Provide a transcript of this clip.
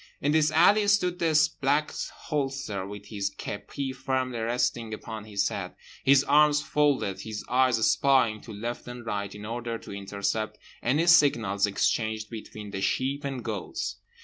In this alley stood the Black Holster with his kepi firmly resting upon his head, his arms folded, his eyes spying to left and right in order to intercept any signals exchanged between the sheep and goats.